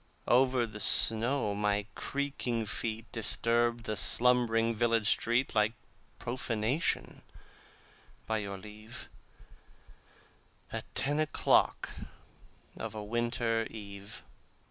Over the snow my creaking feet Disturbed the slumbering village street Like profanation, by your leave, At ten o'clock of a winter eve.